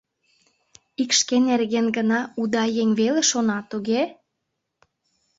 — Ик шке нерген гына уда еҥ веле шона, туге?